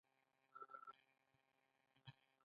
لکه د واده په مراسمو کې هرکلی وي.